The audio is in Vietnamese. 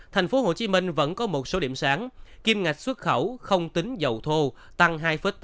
thành phố hồ chí minh vẫn có một số điểm sáng kim ngạch xuất khẩu không tính dầu thô tăng hai tám